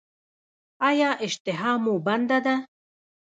ایا اشتها مو بنده ده؟